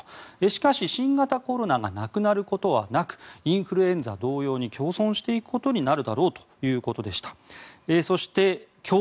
しかし新型コロナがなくなることはなくインフルエンザ同様に共存していくことになるだろうということでした。